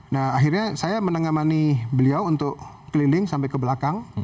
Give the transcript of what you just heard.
nah akhirnya saya menengamani beliau untuk keliling sampai ke belakang